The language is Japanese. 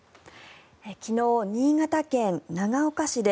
昨日、新潟県長岡市で